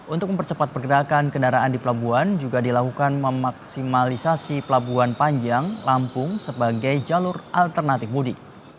untuk mempercepat pergerakan kendaraan di pelabuhan juga dilakukan memaksimalisasi pelabuhan panjang lampung sebagai jalur alternatif mudik